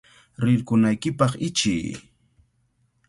¡Rirqunaykipaq ichiy!